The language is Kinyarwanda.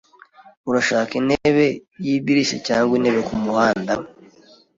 Urashaka intebe yidirishya cyangwa intebe kumuhanda?